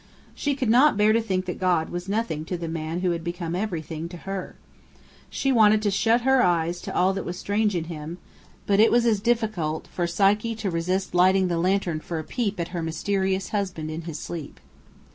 She could not bear to think that God was nothing to the man who had become everything to her. She wanted to shut her eyes to all that was strange in him; but it was as difficult as for Psyche to resist lighting the lantern for a peep at her mysterious husband in his sleep.